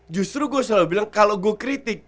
justru gue selalu bilang kalau gue kritik